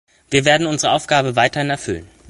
Wir werden unsere Aufgabe weiterhin erfüllen.